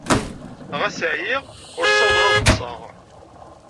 Ɣas ɛyiɣ, ur ssawḍeɣ ad ḍḍseɣ.